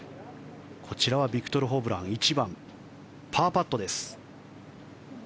こちらはビクトル・ホブラン１番、パーパットです。